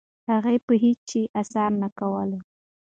هغه په هیڅ شي اسره نه کوله. .